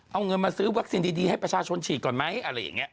เอาเงินมาซื้อวัคซีนดีให้ประชาชนฉีดก่อนไหมอะไรอย่างนี้